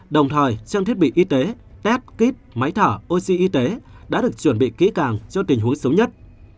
đồng thời trang thiết bị y tế test kit máy thở oxy y tế đã được chuẩn bị kỹ càng cho tình huống xấu nhất